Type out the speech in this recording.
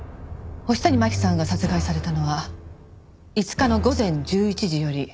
星谷真輝さんが殺害されたのは５日の午前１１時より前でした。